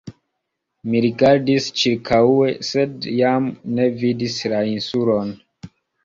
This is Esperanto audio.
Mi rigardis ĉirkaŭe, sed jam ne vidis la Insulon.